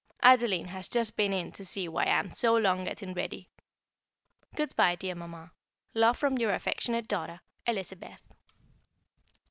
Adeline has just been in to see why I am so long getting ready. Good bye, dear Mamma, love from your affectionate daughter, Elizabeth.